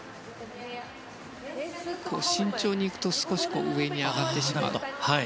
慎重に行くと少し上に上がってしまう。